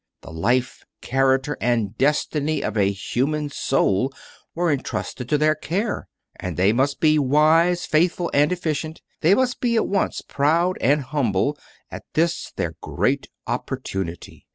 The Life, Character, and Destiny of a Human Soul was intrusted to their care, and they must be Wise, Faithful, and Efficient. They must be at once Proud and Humble at this their Great Opportunity.